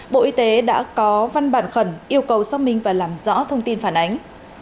bộ y tế đã có văn bản khẩn yêu cầu xác minh và làm rõ thông tin phản ánh